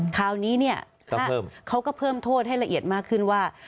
คราวนี้เนี่ยเขาก็เพิ่มโทษให้ละเอียดมากขึ้นว่า